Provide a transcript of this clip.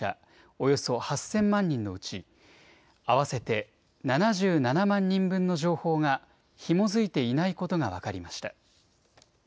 およそ８０００万人のうち、合わせて７７万人分の情報がひも付いていないことが分かりました。